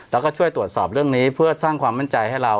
แล้วก็ช่วยตรวจสอบเรื่องนี้เพื่อสร้างความมั่นใจให้เรา